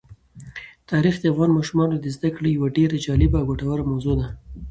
تاریخ د افغان ماشومانو د زده کړې یوه ډېره جالبه او ګټوره موضوع ده.